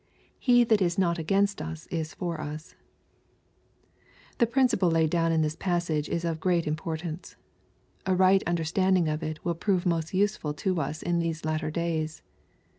'^ He that is not against us is for us.^' The principle laid down in this passage is of great importance. A right understanding of it will prove most usefal to us in these latter days.